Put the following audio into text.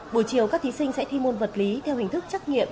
buổi chiều các thí sinh sẽ thi môn vật lý theo hình thức trắc nghiệm